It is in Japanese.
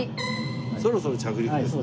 そろそろ着陸ですね。